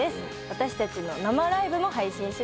私たちの生ライブも配信します。